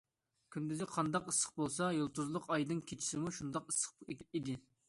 كۈندۈزى قانداق ئىسسىق بولسا، يۇلتۇزلۇق ئايدىڭ كېچىسىمۇ شۇنداق ئىسسىق ئىدى.